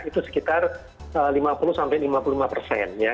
itu sekitar lima puluh lima puluh lima persen ya